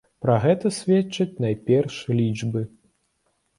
Пра гэта сведчаць найперш лічбы.